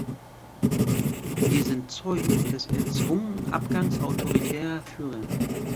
Wir sind Zeugen des erzwungen Abgangs autoritärer Führer.